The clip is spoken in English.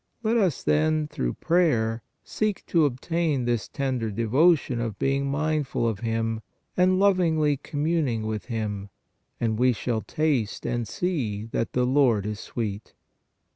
Let us, then, through prayer, 171 172 PRAYER seek to obtain this tender devotion of being mindful of Him, and lovingly communing with Him, and we shall "taste and see that the Lord is sweet" (Ps.